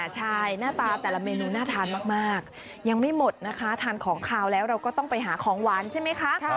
ใช่หน้าตาแต่ละเมนูน่าทานมากยังไม่หมดนะคะทานของขาวแล้วเราก็ต้องไปหาของหวานใช่ไหมคะ